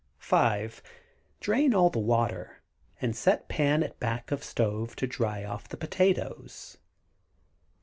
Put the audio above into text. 5. Drain off all the water, and set pan at back of stove to dry off the potatoes.